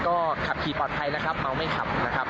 ก็ขับขี่ปลอดภัยนะครับไม่ว่าไม่ขับนะครับ